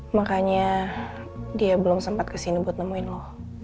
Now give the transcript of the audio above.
makanya dia belum sempat ke sini buat nemenin lo